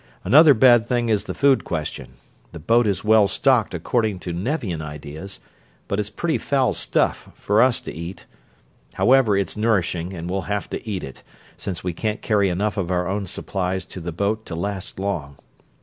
Another bad thing is the food question. The boat is well stocked according to Nevian ideas, but it's pretty foul stuff for us to eat. However, it's nourishing, and we'll have to eat it, since we can't carry enough of our own supplies to the boat to last long.